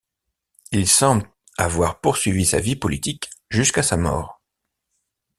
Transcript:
Il semble avoir poursuivi sa vie politique jusqu'à sa mort.